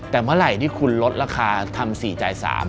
แต่เมื่อไหร่ที่คุณลดราคาทำ๔จ่าย๓